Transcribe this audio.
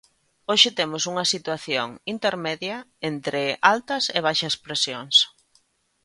Hoxe temos unha situación intermedia entre altas e baixas presións.